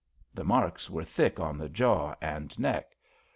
" The marks were thick on the jaw and neck.